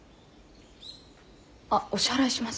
あっお支払いします。